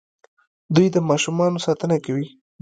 دوی د ماشومانو ساتنه کوي.